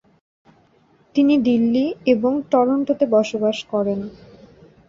তিনি দিল্লী এবং টরন্টো-তে বসবাস করেন।